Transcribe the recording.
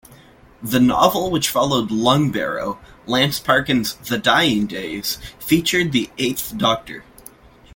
The novel which followed "Lungbarrow", Lance Parkin's "The Dying Days", featured the Eighth Doctor.